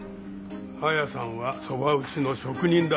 綾さんはそば打ちの職人だ。